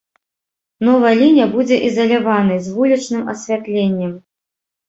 Новая лінія будзе ізаляванай, з вулічным асвятленнем.